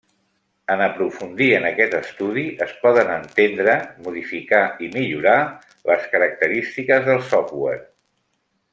En aprofundir en aquest estudi, es poden entendre, modificar i millorar les característiques del software.